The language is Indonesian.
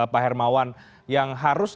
pak hermawan yang harus